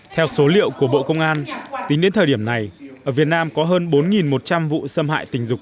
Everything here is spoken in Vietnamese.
theo số liệu của bộ công an tính đến thời điểm này ở việt nam có hơn bốn một trăm linh vụ xâm hại tình dục